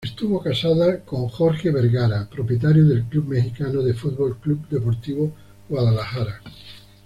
Estuvo casada con Jorge Vergara, propietario del club mexicano de fútbol Club Deportivo Guadalajara.